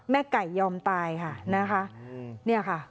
แม่ไก่ยอมตายค่ะนี่ค่ะ